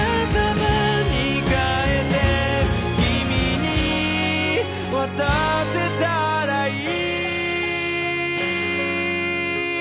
「君に渡せたらいい」